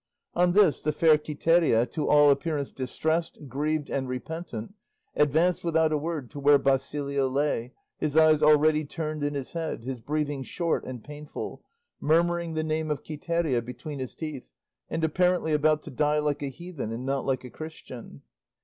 On this the fair Quiteria, to all appearance distressed, grieved, and repentant, advanced without a word to where Basilio lay, his eyes already turned in his head, his breathing short and painful, murmuring the name of Quiteria between his teeth, and apparently about to die like a heathen and not like a Christian.